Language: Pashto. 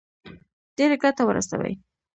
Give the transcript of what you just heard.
ډېره ګټه ورسوي.